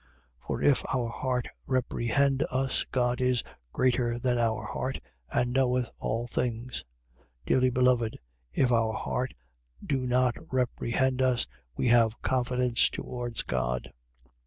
3:20. For if our heart reprehend us, God is greater than our heart and knoweth all things. 3:21. Dearly beloved, if our heart do not reprehend us, we have confidence towards God.